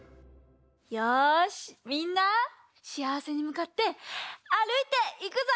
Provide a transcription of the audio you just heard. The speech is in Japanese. よしみんなしあわせにむかってあるいていくぞ！